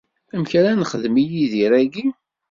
Amek ara s-nexdem i Yidir-agi?